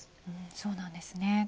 そうなんですね。